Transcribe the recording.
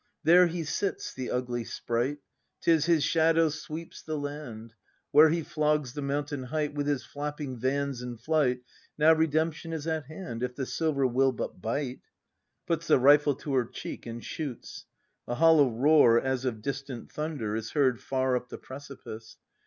] There he sits, the ugly sprite! 'Tis his shadow sweeps the land. Where he flogs the mountain height With his flapping vans in flight. Now Redemption is at hand If the silver will but bite! [Puts the rifie to her cheek and shoots. A hol low roar, as of distant thunder, is heard far up the precipice.